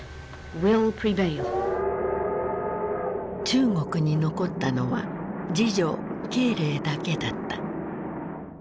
中国に残ったのは次女慶齢だけだった。